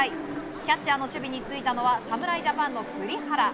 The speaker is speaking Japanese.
キャッチャーの守備に就いたのは侍ジャパンの栗原。